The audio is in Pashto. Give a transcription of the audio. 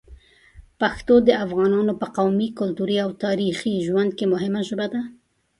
پښتو د افغانانو په قومي، کلتوري او تاریخي ژوند کې مهمه ژبه ده.